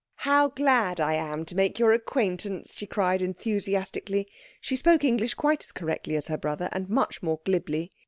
"How glad I am to make your acquaintance!" she cried enthusiastically. She spoke English quite as correctly as her brother, and much more glibly.